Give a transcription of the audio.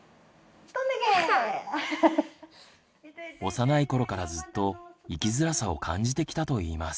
幼い頃からずっと生きづらさを感じてきたといいます。